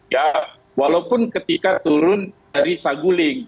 ya walaupun ketika turun dari saguling